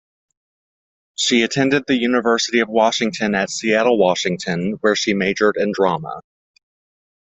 She attended the University of Washington at Seattle, Washington, where she majored in drama.